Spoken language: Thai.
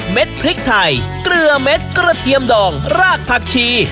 พริกไทยเกลือเม็ดกระเทียมดองรากผักชี